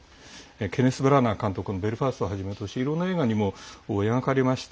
ケネス・ブラナー監督の「ベルファスト」をはじめとしいろんな映画にも描かれました。